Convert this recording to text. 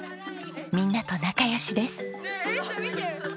みんなと仲良しです。